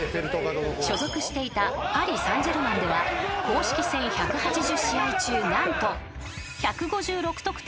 ［所属していたパリ・サンジェルマンでは公式戦１８０試合中何と１５６得点を挙げたイブラヒモビッチ］